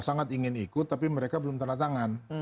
sangat ingin ikut tapi mereka belum tanda tangan